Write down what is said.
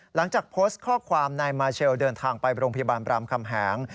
หลังจากโพสต์ข้อความนายมาเชลเดินทางไปโรงพยาบาลบรามคำแหง